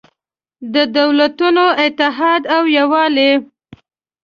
د دولتونو اتحاد او یووالی